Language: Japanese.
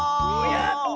やった！